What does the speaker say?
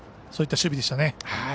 そういった守備でしたね。